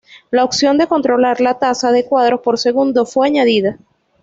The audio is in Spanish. La opción de controlar la tasa de cuadros por segundo fue añadida.